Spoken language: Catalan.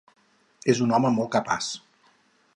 És un home molt capaç.